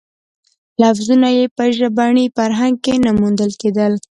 لفظونه یې په ژبني فرهنګ کې نه موندل کېدل.